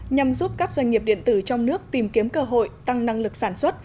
nhằm giúp các doanh nghiệp điện tử trong nước tìm kiếm cơ hội tăng năng lực sản xuất